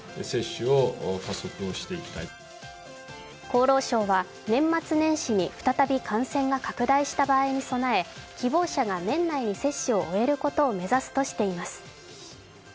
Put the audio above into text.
厚労省は年末年始に再び感染が拡大した場合に備え、希望者が年内に接種を終えることを目指しているとしています。